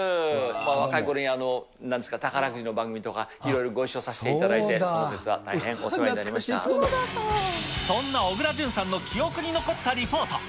若いころにはなんですか、宝くじの番組とか、いろいろご一緒させていただいて、その節は、そんな小倉淳さんの記憶に残ったリポート。